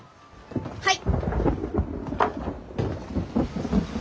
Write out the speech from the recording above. はい！